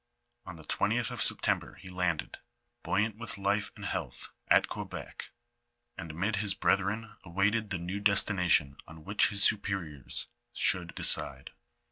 On the 20th of September he landed, buoyant with life and health, at Que bec, and amid his brethren awaited the new destination on which his superiors should decide.